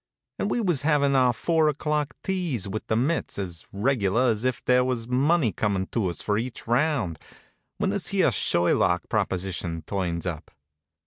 And we was havin' our four o'clock teas with the mitts, as reg'lar as if there was money comin' to us for each round, when this here Sherlock proposition turns up.